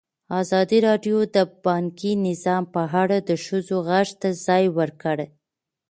ازادي راډیو د بانکي نظام په اړه د ښځو غږ ته ځای ورکړی.